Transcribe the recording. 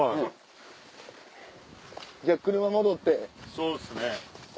そうですね。